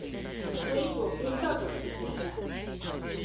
所以左邊到底可不可以站